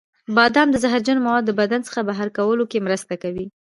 بادام د زهرجنو موادو د بدن څخه بهر کولو کې مرسته کوي.